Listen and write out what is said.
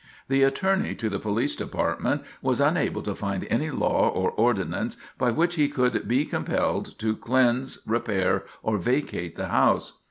The attorney to the Police Department was unable to find any law or ordinance by which he could be compelled to cleanse, repair, or vacate the house.